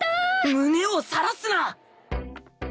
胸をさらすな！